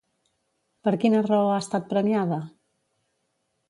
Per quina raó ha estat premiada?